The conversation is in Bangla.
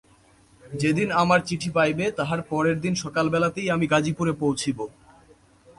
যেদিন আমার চিঠি পাইবে তাহার পরের দিন সকালবেলাতেই আমি গাজিপুরে পৌঁছিব।